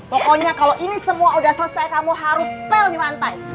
pokoknya kalau ini semua udah selesai kamu harus pel di lantai